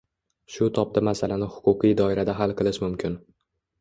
shu tobda masalani huquqiy doirada hal qilish mumkin